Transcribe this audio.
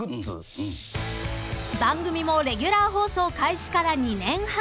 ［番組もレギュラー放送開始から２年半］